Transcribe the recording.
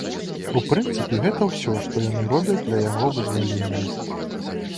У прынцыпе, гэта ўсё, што яны робяць для яго вызвалення.